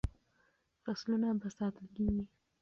فصلونه به ساتل کیږي.